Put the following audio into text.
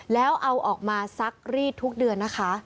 แล้วเอาออกมาซักรีดทุกเดือนนะคะ